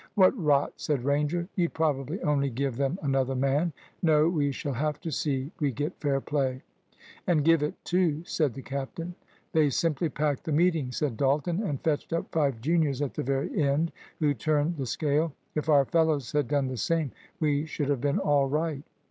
"What rot!" said Ranger. "You'd probably only give them another man. No, we shall have to see we get fair play." "And give it, too," said the captain. "They simply packed the meeting," said Dalton, "and fetched up five juniors at the very end, who turned the scale. If our fellows had done the same, we should have been all right."